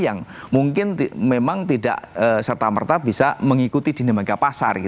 yang mungkin memang tidak serta merta bisa mengikuti dinamika pasar